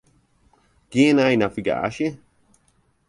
Gean nei navigaasje.